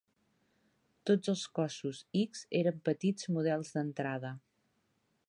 Tots els cossos X eren petits models d'entrada.